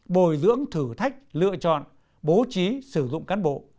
bồi dưỡng thử thách lựa chọn bố trí sử dụng cán bộ